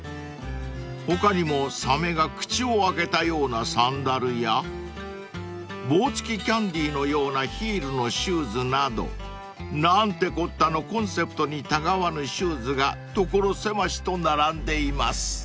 ［他にもサメが口を開けたようなサンダルや棒付きキャンディーのようなヒールのシューズなどなんてこった！のコンセプトにたがわぬシューズが所狭しと並んでいます］